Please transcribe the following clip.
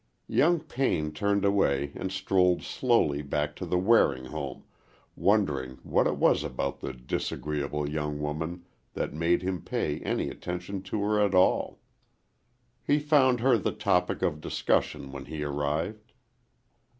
Young Payne turned away and strolled slowly back to the Waring home, wondering what it was about the disagreeable young woman that made him pay any attention to her at all. He found her the topic of discussion when he arrived.